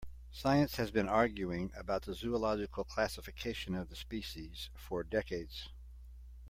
Science has been arguing about the zoological classification of the species for decades.